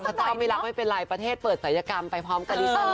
พระเจ้าไม่รักไม่เป็นไรประเทศเปิดศัยกรรมไปพร้อมกับลิเซอร์ค่ะ